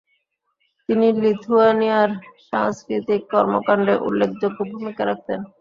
তিনি লিথুয়ানিয়ার সাংস্কৃতিক কর্মকাণ্ডে উল্লেখযোগ্য ভূমিকা রাখতেন।